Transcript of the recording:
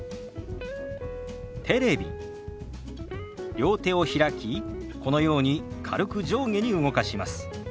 両手を開きこのように軽く上下に動かします。